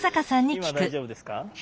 今大丈夫ですか？